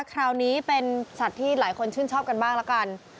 คราวนี้เป็นสัตว์ที่หลายคนชื่นชอบกันบ้างละกัน